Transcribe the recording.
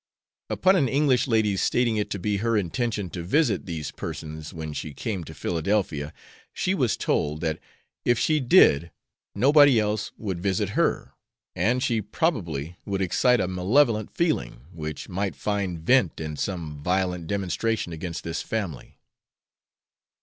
Upon an English lady's stating it to be her intention to visit these persons when she came to Philadelphia, she was told that if she did nobody else would visit her; and she probably would excite a malevolent feeling, which might find vent in some violent demonstration against this family.